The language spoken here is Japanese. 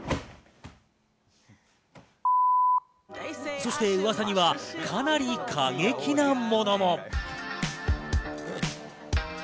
そしてうわさには、かなり過激なものも。